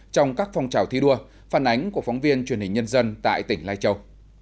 trong các phong trào thi đua phản ánh của phóng viên truyền hình nhân dân tại tỉnh lai châu